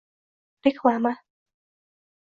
reklama